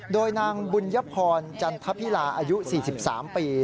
โดยนางบุญยพรจันทพิลาอายุ๔๓ปี